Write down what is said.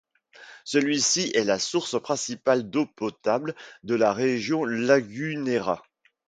Celui-ci est la source principale d'eau potable de la Région Lagunera.